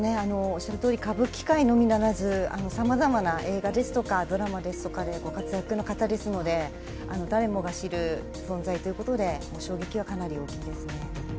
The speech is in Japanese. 歌舞伎界のみならずさまざまな映画ですとかドラマですとかでご活躍の方ですので誰もが知る存在ということで、衝撃はかなり大きいですね。